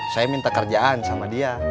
saya minta kerjaan sama dia